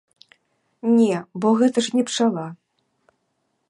Не, бо гэта ж не пчала.